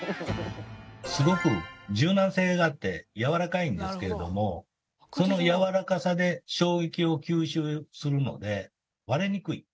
すごく柔軟性があって柔らかいんですけれどもその柔らかさで衝撃を吸収するので。